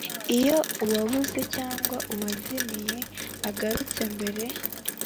Iyo uwabuze cyangwa uwazimiye agarutse mbere